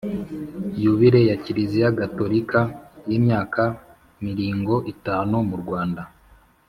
Yubile ya Kiliziya gatolika y'imyaka miringo itanu mu Rwanda